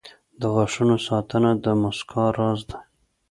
• د غاښونو ساتنه د مسکا راز دی.